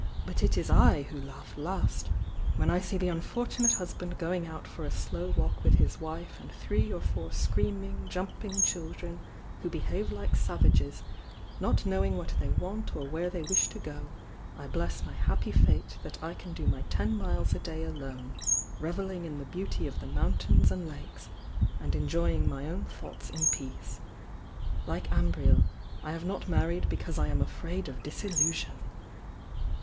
But it is I who laugh last! When I see the unfor tunate husband going out for a slow walk with his wife and three or four screaming, jumping chudren, who behave like savages, not knowing what they want or where they wish to go, I bless my happy fate that I can do my ten miles a day alone, revel ling in the beauty of the mountains and lakes, aiid enjoying my own thoughts in peace. Like Amriel, I have not married because I am afraid of disiUu sion!"